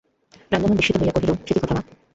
রামমোহন বিস্মিত হইয়া কহিল, সে কী কথা মা।